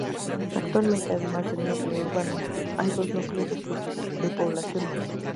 Actualmente, además del núcleo urbano, hay dos núcleos de población más.